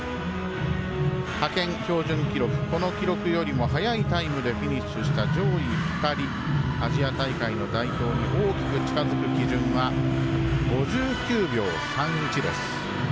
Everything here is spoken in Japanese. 派遣標準記録、この記録よりも早いタイムでフィニッシュした上位２人、アジア大会の代表に大きく近づく基準は５９秒３１です。